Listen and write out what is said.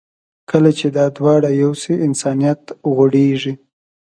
کله چې دا دواړه یو شي، انسانیت غوړېږي.